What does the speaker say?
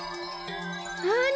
なに？